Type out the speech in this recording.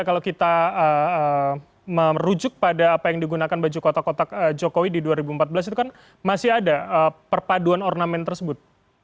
kalau kita merujuk pada apa yang digunakan baju kotak kotak jokowi di dua ribu empat belas itu kan masih ada perpaduan ornamen tersebut